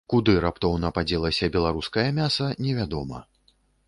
Куды раптоўна падзелася беларускае мяса, невядома.